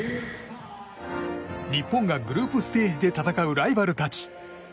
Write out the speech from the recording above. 日本がグループステージで戦うライバルたち。